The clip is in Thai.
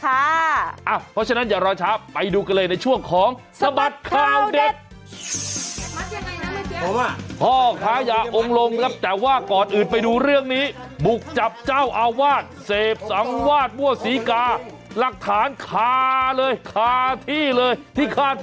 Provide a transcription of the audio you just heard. เพราะฉะนั้นอย่ารอช้าไปดูกันเลยในช่วงของสบัดข่าวเด็ก